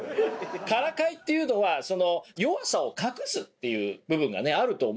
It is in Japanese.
からかいっていうのは弱さを隠すっていう部分があると思うんですよね。